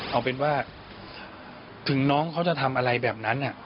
เอาเป็นว่าถึงน้องเขาจะทำอะไรแบบนั้น